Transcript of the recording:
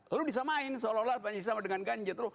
lalu disamain seolah olah pancasila sama dengan ganja